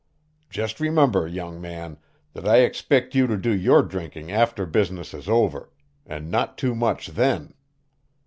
Just remember, young man, that I expect you to do your drinking after business is over and not too much then.